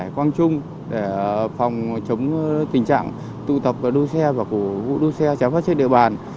quang trung để phòng chống tình trạng tụ tập đua xe và cổ vũ đua xe trái phép trên địa bàn